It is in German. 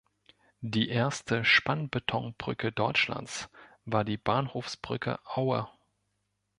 Die erste Spannbetonbrücke Deutschlands war die Bahnhofsbrücke Aue.